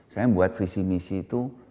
saya membuat visi visi itu